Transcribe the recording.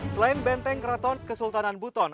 selain benteng keraton kesultanan buton